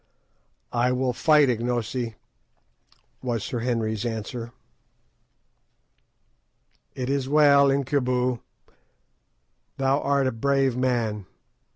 "I will fight, Ignosi," was Sir Henry's answer. "It is well, Incubu; thou art a brave man.